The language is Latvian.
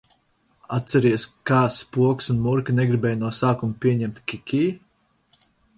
Atceries, kā Spoks un Murka negribēja no sākuma pieņemt Kikī?...